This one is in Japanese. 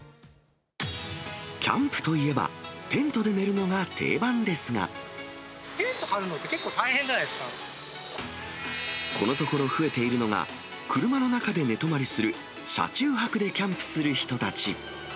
キャンプといえば、テント張るのって、結構大変このところ、増えているのが、車の中で寝泊まりする、車中泊でキャンプする人たち。